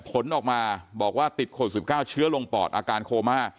ผลออกมาบอกว่าติดคนสิบเก้าเชื้อลงปอดอาการโคมา